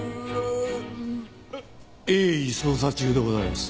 鋭意捜査中でございます。